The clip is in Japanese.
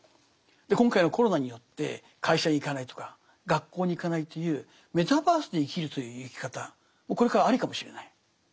今回のコロナによって会社に行かないとか学校に行かないというメタバースで生きるという生き方もこれからありかもしれない。